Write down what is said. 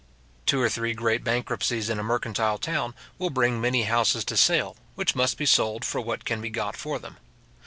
Two or three great bankruptcies in a mercantile town, will bring many houses to sale, which must be sold for what can be got for them.